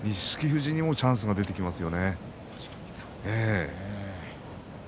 富士にもチャンスが出てきます。